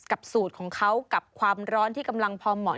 สูตรของเขากับความร้อนที่กำลังพอเหมาะ